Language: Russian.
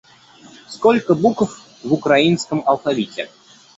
Сколько букв в украинском алфавите?